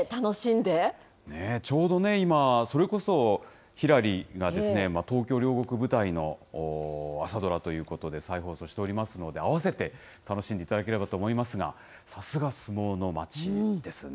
ちょうどね、今、それこそひらりが東京・両国舞台の朝ドラということで、再放送しておりますので、あわせて楽しんでいただければと思いますが、さすが相撲の町ですね。